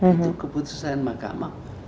itu keputusan mahkamah